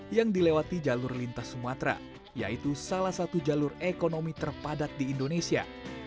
yang dilewati jalur lintas sumatera yaitu salah satu jalur ekonomi terpadat di indonesia